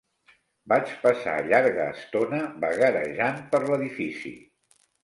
Vaig passar llarga estona vagarejant per l'edifici